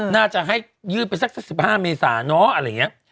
น่าจะให้ยืดไปสัก๑๕เมษาเนอะอะไรอย่างนี้